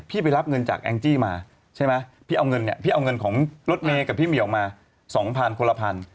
พี่ไปรับเงินจากแองจี้มาใช่ไหมพี่เอาเงินของรถเมย์กับพี่เมียออกมา๒๐๐๐คนละพัน